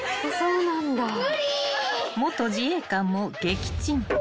［元自衛官も撃沈］